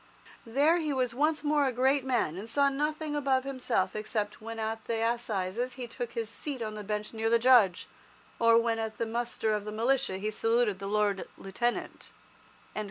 There he was once more a great man, and saw nothing above himself except when at the assizes he took his seat on the bench near the Judge, or when at the muster of the militia he saluted the Lord Lieutenant."